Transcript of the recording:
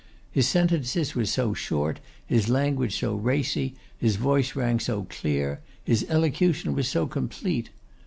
His sentences were so short, his language so racy, his voice rang so clear, his elocution was so complete.